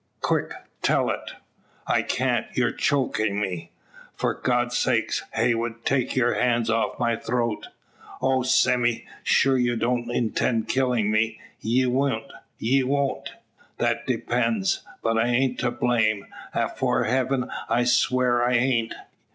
Quick, tell it." "I can't; your chokin' me. For God's sake, Heywood, take your hand off my throat. O Sime! sure you don't intend killin' me? ye won't, ye won't." "That depends " "But I aint to blame. Afore heaven, I swear I aint.